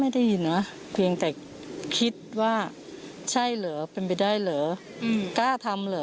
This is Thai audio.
ได้ยินเสียงอะไรแบบแปลกไหม